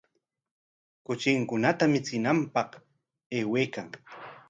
Kuchinkunata michinanpaq aywaykan.